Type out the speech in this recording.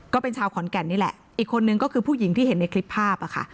ก็เป็นชาวขอนแก่นนี่แหละอีกคนนึงก็คือผู้หญิงที่เห็นในคลิปภาพอ่ะค่ะ